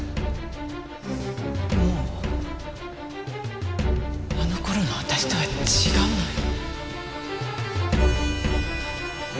もうあの頃の私とは違うのよ。